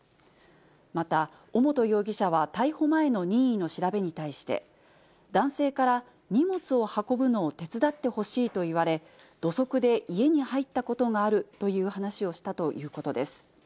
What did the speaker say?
また、尾本容疑者は逮捕前の任意の調べに対して、男性から荷物を運ぶのを手伝ってほしいと言われ、土足で家に入ったことがあるという話をしたということです。